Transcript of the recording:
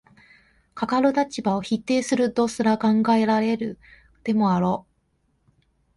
かかる立場を否定するとすら考えられるでもあろう。